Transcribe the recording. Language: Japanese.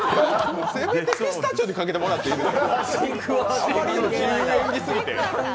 ピスタチオとかけてもらっていいですか？